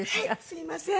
すいません。